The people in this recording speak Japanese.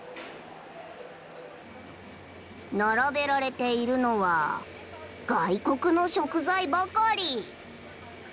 並べられているのは外国の食材ばかり。